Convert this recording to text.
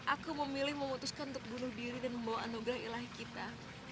aku memilih memutuskan untuk bunuh diri dan membawa anugerah ilahi kita